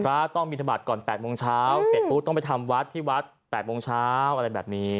ต้องบินทบาทก่อน๘โมงเช้าเสร็จปุ๊บต้องไปทำวัดที่วัด๘โมงเช้าอะไรแบบนี้